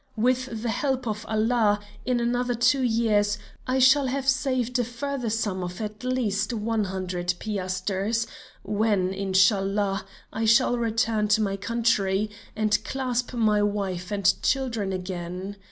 With the help of Allah, in another two years I shall have saved a further sum of at least one hundred piasters, when, Inshallah, I shall return to my country and clasp my wife and children again.